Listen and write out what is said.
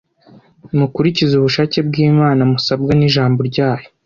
mukurikize ubushake bw’Imana musabwa n’Ijambo ryayo,